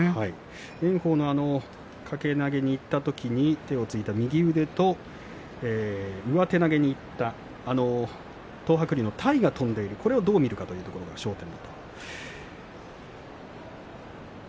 炎鵬の掛け投げにいったときに、手をついた右腕と上手投げにいった東白龍の体が飛んでいる、これをどう見るかというのが焦点だと。